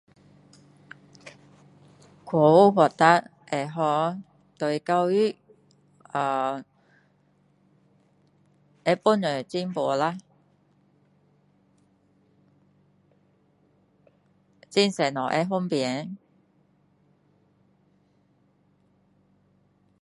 科技发达会好，对教育，啊，会帮助进步啦，很多物会方便。